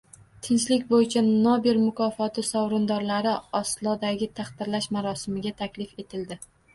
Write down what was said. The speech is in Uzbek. Tinchlik bo‘yicha Nobel mukofoti sovrindorlari Oslodagi taqdirlash marosimiga taklif etildi